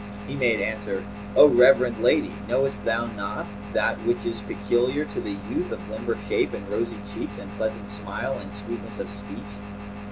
He made answer, 'O reverend lady, knowest thou not that which is peculiar to the youth of limber shape and rosy cheeks and pleasant smile and sweetness of speech?